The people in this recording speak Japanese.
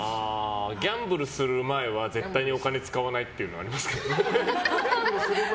ギャンブルする前は絶対にお金使わないっていうのはありますけどね。